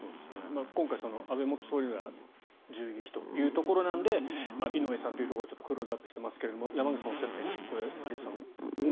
今回、安倍元総理が銃撃というところなので井上さんというところでクローズアップしていますが山口さんがおっしゃったように有田さん